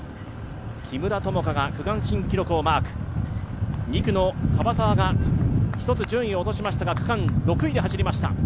木村友香が区間新記録をマーク２区の樺沢が１つ順位を落としましたが区間６位で走りました。